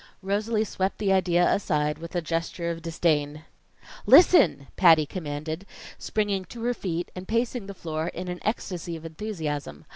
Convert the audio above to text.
Rosalie swept the idea aside with a gesture of disdain. "Listen!" Patty commanded, springing to her feet and pacing the floor in an ecstasy of enthusiasm.